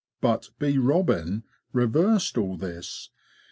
But '' Bee Robin "' reversed all this.